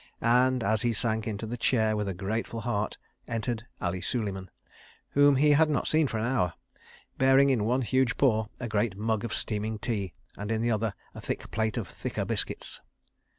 And, as he sank into the chair with a grateful heart, entered Ali Suleiman, whom he had not seen for an hour, bearing in one huge paw a great mug of steaming tea, and in the other a thick plate of thicker biscuits.